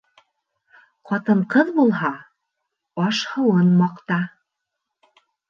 Ҡатын-ҡыҙ булһа, аш-һыуын маҡта.